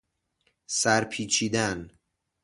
سرپیچیدن